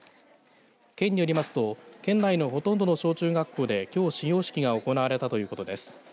県によりますと県内のほとんどの小中学校できょう、始業式が行われたということです。